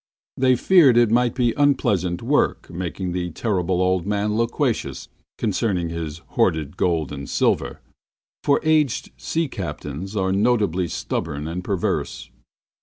They feared it might be unpleasant work making the Terrible Old Man loquacious concerning his hoarded gold and silver, for aged sea captains are notably stubborn and perverse.